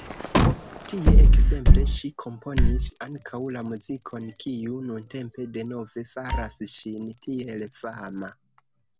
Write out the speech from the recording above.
Tie ekzemple ŝi komponis ankaŭ la muzikon, kiu nuntempe denove faras ŝin tiel fama.